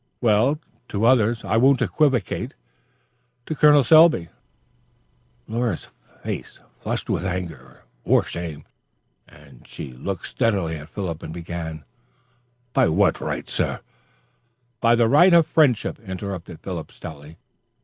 "Well, to others. I won't equivocate to Col. Selby?" Laura's face flushed with anger, or shame; she looked steadily at Philip and began, "By what right, sir, " "By the right of friendship," interrupted Philip stoutly.